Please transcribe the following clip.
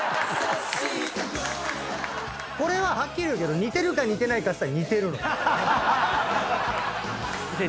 はっきり言うけど似てるか似てないかっつったら。